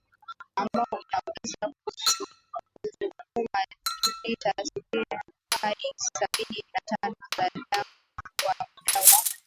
ambao unaweza kusukuma lita sitini hadi sabini na tano za damu kwa muda wa